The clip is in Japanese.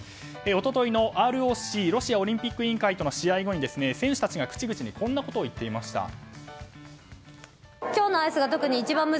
一昨日のＲＯＣ・ロシアオリンピック委員会との試合後に、選手たちが口々にこんなことを言っていました。